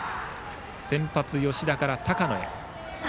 先発・吉田から高野へ。